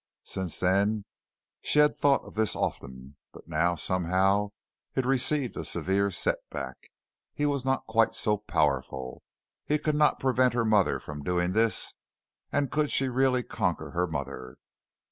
Since then, she had thought of this often, but now, somehow, it received a severe setback. He was not quite so powerful. He could not prevent her mother from doing this, and could she really conquer her mother?